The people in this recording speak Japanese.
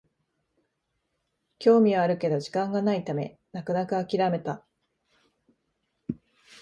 興味はあるけど時間がないため泣く泣くあきらめた